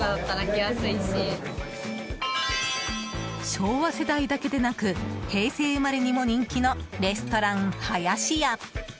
昭和世代だけでなく平成生まれにも人気のレストランはやしや。